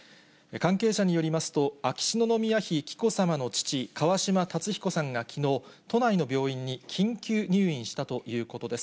関係者によりますと、秋篠宮妃紀子さまの父、川嶋辰彦さんがきのう、都内の病院に緊急入院したということです。